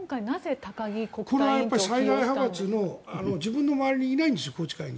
これは最大派閥の自分の周りにいないんですよ。